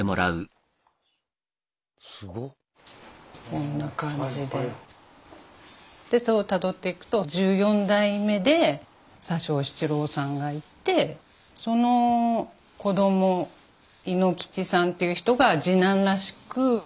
こんな感じでたどっていくと１４代目で佐生七郎さんがいてその子ども猪吉さんという人が次男らしく。